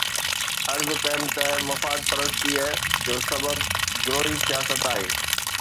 عرض ڪيم ته مفاد پرستيءَ جو سبب گروهي سياست آهي.